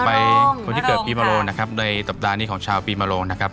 ต่อไปมาโรงมาโรงคนที่เกิดปีมาโรงนะครับในสัปดาห์นี้ของชาวปีมาโรงนะครับ